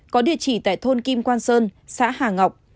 có địa chỉ tại thôn kim quan sơn xã hà ngọc